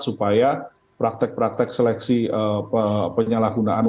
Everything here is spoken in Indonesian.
supaya praktek praktek seleksi penyalahgunaan